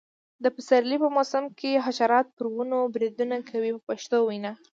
د پسرلي په موسم کې حشرات پر ونو بریدونه کوي په پښتو وینا.